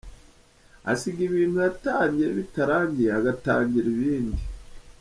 Asiga ibintu yatangiye bitarangiye agatangira ibindi.